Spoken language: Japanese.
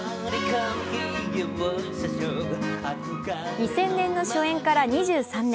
２０００年の初演から２３年。